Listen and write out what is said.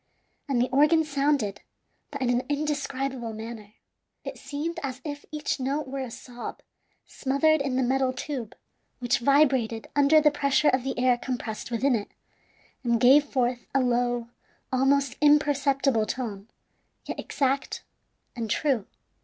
And the organ sounded, but in an indescribable manner. It seemed as if each note were a sob smothered in the metal tube, which vibrated under the pressure of the air compressed within it, and gave forth a low, almost imperceptible tone, yet exact and true.